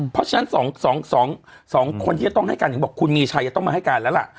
เพราะฉะนั้น๒คนที่จะต้องให้การถึงบอกคุณมีชัยจะต้องมาให้การแล้วล่ะ